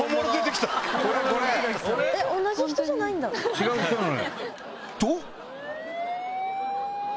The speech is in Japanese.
違う人なのよ。と！